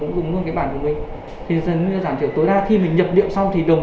cũng dùng luôn cái bản của mình thì dần dần giảm thiểu tối đa khi mình nhập điệu xong thì đồng